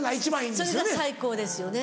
それが最高ですよね